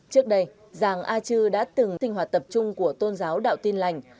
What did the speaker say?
trước đây giàng a chư đã từng sinh hoạt tập trung của tôn giáo đạo tin lành